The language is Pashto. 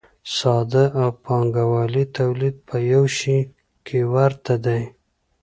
ساده او پانګوالي تولید په یوه شي کې ورته دي.